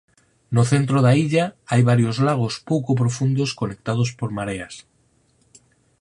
No centro da illa hai varios lagos pouco profundos conectados por mareas.